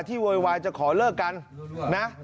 โวยวายจะขอเลิกกันนะ